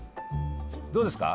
どうですか？